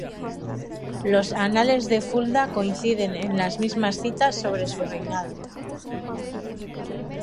Los "anales de Fulda" coinciden en las mismas citas sobre su reinado.